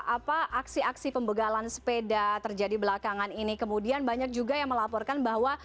apa aksi aksi pembegalan sepeda terjadi belakangan ini kemudian banyak juga yang melaporkan bahwa